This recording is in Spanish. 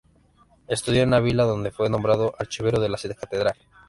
Estudió en Ávila, donde fue nombrado archivero de la catedral.